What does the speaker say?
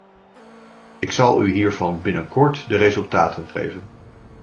Ik zal u hiervan binnenkort de resultaten geven.